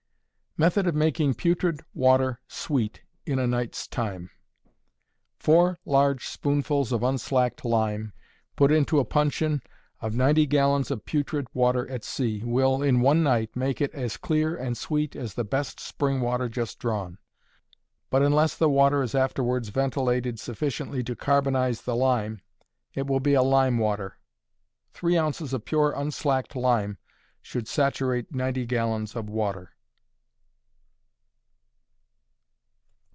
Method of Making Putrid Water Sweet in a Night's Time. Four large spoonfuls of unslacked lime, put into a puncheon of ninety gallons of putrid water at sea, will, in one night, make it as clear and sweet as the best spring water just drawn; but, unless the water is afterwards ventilated sufficiently to carbonize the lime, it will be a lime water. Three ounces of pure unslacked lime should saturate 90 gallons of water.